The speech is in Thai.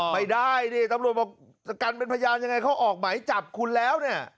ไม่ได้ดิตำรวจบอกจะกันเป็นพยานยังไงเขาออกไหมจับคุณแล้วเนี่ย